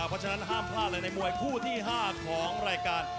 เพราะฉะนั้นห้ามพลาดเลยในมวยคู่ที่๕ของรายการ